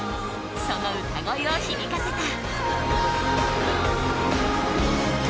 その歌声を響かせた。